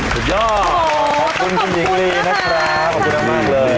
สุดยอดขอบคุณคุณหญิงลีนะครับขอบคุณมากเลย